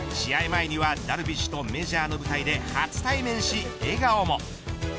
前にはダルビッシュとメジャーの舞台で初対面し笑顔も。